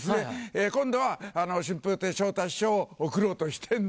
今度は春風亭昇太師匠を送ろうとしてんの。